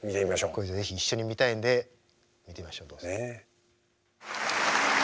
これ是非一緒に見たいんで見てみましょうどうぞ。